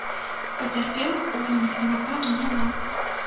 Пацярпелых у выніку нападу няма.